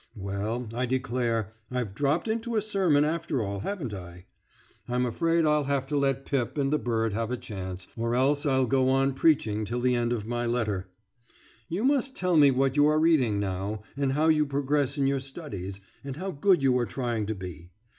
Well, I declare, I've dropped into a sermon, after all, haven't I? I'm afraid I'11 have to let Pip and the bird have a chance, or else I'11 go on preaching till the end of my letter. You must tell me what you are reading now, and how you progress in your studies, and how good you are trying to be.